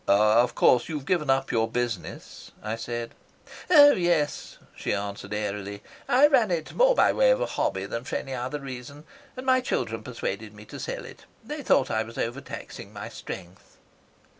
"Of course you've given up your business," I said. "Oh, yes," she answered airily. "I ran it more by way of a hobby than for any other reason, and my children persuaded me to sell it. They thought I was overtaxing my strength."